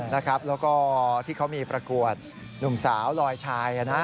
แล้วก็ที่เขามีประกวดหนุ่มสาวลอยชาย